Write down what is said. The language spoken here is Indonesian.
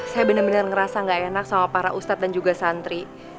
saya bener bener ngerasa gak enak sama para ustad dan juga santri